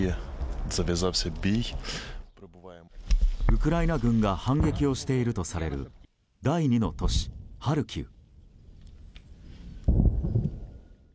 ウクライナ軍が反撃をしているとされる第２の都市ハルキウ。